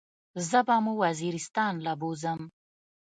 زه به مو وزيرستان له بوزم.